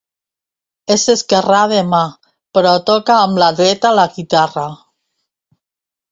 És esquerrà de mà, però toca amb la dreta la guitarra.